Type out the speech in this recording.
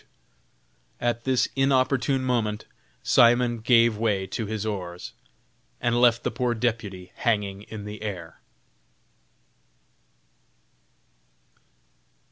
[Illustration: _At this inopportune moment Simon gave way to his oars, and left the poor deputy hanging in the air.